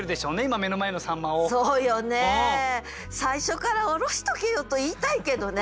「最初からおろしとけよ」と言いたいけどね。